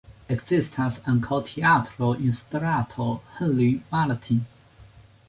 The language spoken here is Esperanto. Ekzistas ankaŭ teatro en strato Henri Martin.